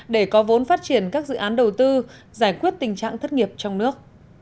để có vốn phát triển các dự án đầu tư giải quyết tình trạng thất nghiệp trong nước